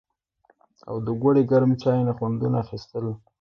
او د ګوړې ګرم چای نه خوندونه اخيستل